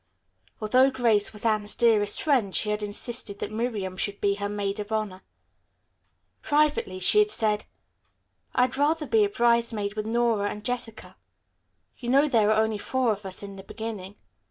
Although Grace was Anne's dearest friend, she had insisted that Miriam should be her maid of honor. Privately she had said, "I'd rather be a bridesmaid with Nora and Jessica. You know there were only four of us in the beginning."